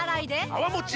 泡もち